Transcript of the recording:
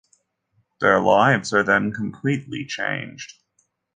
Their lives are then completely changed.